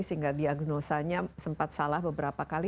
sehingga diagnosanya sempat salah beberapa kali